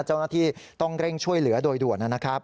เจ้าหน้าที่ต้องเร่งช่วยเหลือโดยด่วนนะครับ